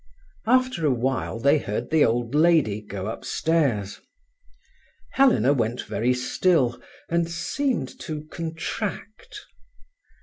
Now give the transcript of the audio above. After a while they heard the old lady go upstairs. Helena went very still, and seemed to contract.